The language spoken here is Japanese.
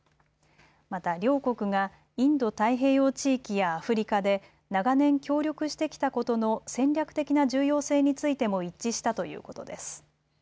また両国がインド太平洋地域やアフリカで長年協力してきたことの戦略的な重要性についても一致したということです。